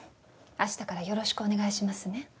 明日からよろしくお願いしますね